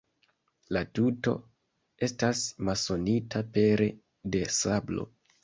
La tuto estas masonita pere de sablo.